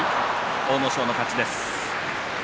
阿武咲の勝ちです。